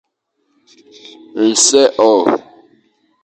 Nsè hôr.